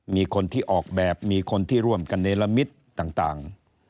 มีคนที่ออกแบบมีคนที่ร่วมกันเนรมิตต่าง